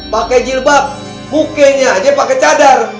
pakai jilbab bukenya aja pakai cadar